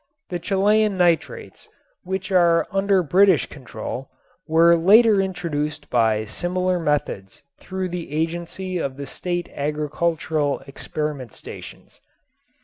The Chilean nitrates, which are under British control, were later introduced by similar methods through the agency of the state agricultural experiment stations.